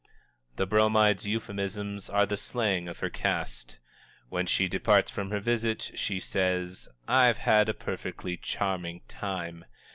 The Bromide's euphemisms are the slang of her caste. When she departs from her visit, she says: _"I've had a perfectly charming time."